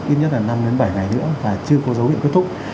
ít nhất là năm đến bảy ngày nữa và chưa có dấu hiệu kết thúc